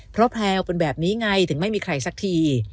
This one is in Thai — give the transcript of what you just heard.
เพราะแพลวเป็นแบบนี้ไงถึงไม่มีใครสักที